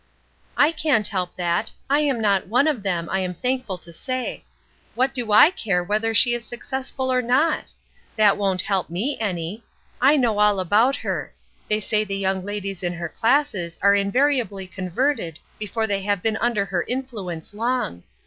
"I can't help that. I am not one of them, I am thankful to say. What do I care whether she is successful or not? That won't help me any. I know all about her. They say the young ladies in her classes are invariably converted before they have been under her influence long.